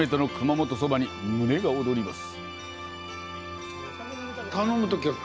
初めての熊本そばに、胸が躍ります。